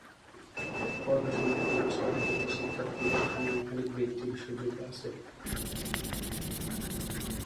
পড়াশোনায় উৎসাহ দিতে শিক্ষার্থীদের জন্য এখানে বৃত্তির সুযোগ আছে।